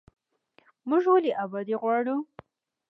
موږ ولې ابادي غواړو؟